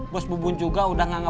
bos bubun juga udah gak nganggap